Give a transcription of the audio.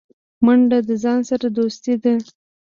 منډه د ځان سره دوستي ده